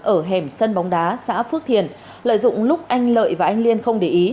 ở hẻm sân bóng đá xã phước thiền lợi dụng lúc anh lợi và anh liên không để ý